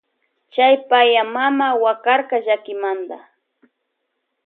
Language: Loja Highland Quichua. Chay paya mama wakarka llakimanta.